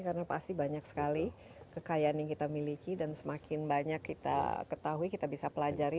karena pasti banyak sekali kekayaan yang kita miliki dan semakin banyak kita ketahui kita bisa pelajari